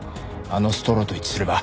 あのストローと一致すれば。